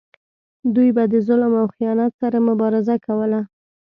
دوی به د ظلم او خیانت سره مبارزه کوله.